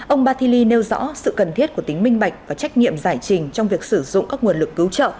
ông bathili nêu rõ sự cần thiết của tính minh bạch và trách nhiệm giải trình trong việc sử dụng các nguồn lực cứu trợ